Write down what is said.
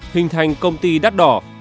hình thành công ty đắt đỏ